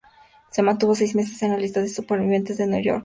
Se mantuvo seis meses en las listas de superventas de New York Times.